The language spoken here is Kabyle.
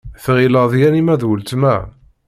Tɣileḍ Yamina d weltma.